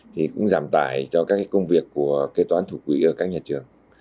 thì cũng giảm tải cho các công việc của kế toán thủ quỹ ở các nhà trường